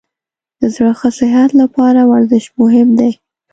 د زړه ښه صحت لپاره ورزش مهم دی.